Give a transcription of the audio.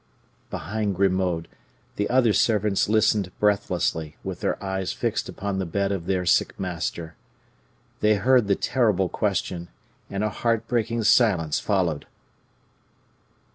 _" Behind Grimaud the other servants listened breathlessly, with their eyes fixed upon the bed of their sick master. They heard the terrible question, and a heart breaking silence followed.